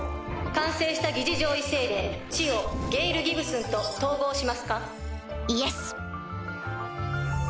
完成した擬似上位精霊地をゲイル・ギブスンと統合しますか？